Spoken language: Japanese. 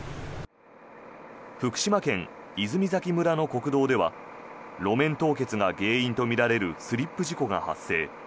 福島県泉崎村の国道では路面凍結が原因とみられるスリップ事故が発生。